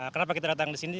kenapa kita datang di sini